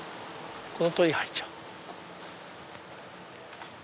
この通り入っちゃおう。